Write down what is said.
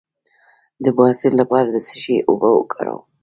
د بواسیر لپاره د څه شي اوبه وکاروم؟